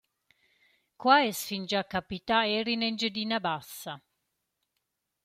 Quai es fingià capità eir in Engiadina Bassa.